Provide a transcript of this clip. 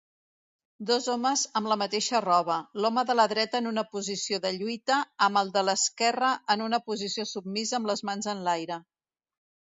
Dos homes amb la mateixa roba, l'home de la dreta en una posició de lluita, amb el de l'esquerra en una posició submisa amb les mans en l'aire.